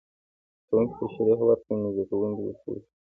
که ښوونکی تشریح وکړي، نو زده کوونکی به پوه شي.